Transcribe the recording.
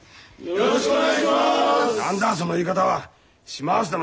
よろしくお願いします！